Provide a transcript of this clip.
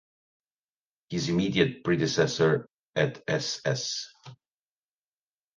His immediate predecessor at Ss.